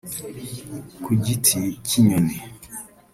ku Giti cy’inyoni